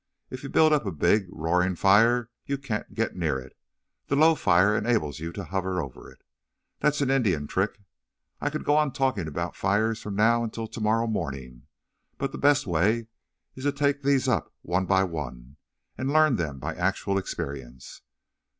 If you build up a big, roaring fire you can't get near it. The low fire enables you to hover over it. That's an Indian trick. I could go on talking about fires from now until tomorrow morning, but the best way is to take these up one by one and learn them by actual experience.